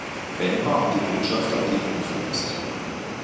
Bemba und die Botschafter blieben unverletzt.